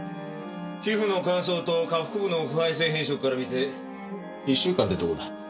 皮膚の乾燥と下腹部の腐敗性変色から見て１週間ってとこだ。